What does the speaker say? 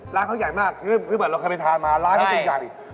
ร้านเขาใหญ่มากเพราะว่าเราเคยไปทานมาร้านที่สุดใหญ่